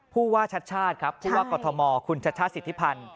ผู้ว่าชัดชาติครับผู้ว่ากอทมคุณชัชชาติสิทธิพันธ์